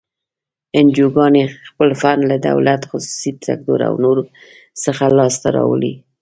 انجوګانې خپل فنډ له دولت، خصوصي سکتور او نورو څخه لاس ته راوړي.